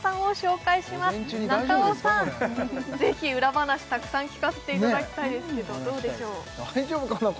ぜひ裏話たくさん聞かせていただきたいですけどどうでしょう大丈夫かな